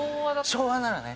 昭和ならね。